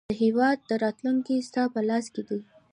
د هیواد راتلونکی ستا په لاس کې دی.